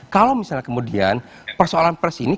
kalau misalnya kemudian diperkuatkan oleh kpi itu akan terganggu